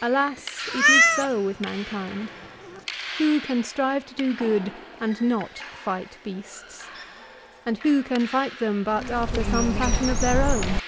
Alas ! it is so with mankind. Who can strive to do good and not fight beasts ? And who can fight them but after some fashion of their own?